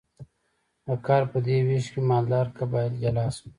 د کار په دې ویش کې مالدار قبایل جلا شول.